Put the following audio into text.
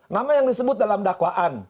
nama yang disebut dalam dakwaan